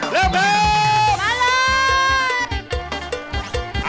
เริ่มแล้ว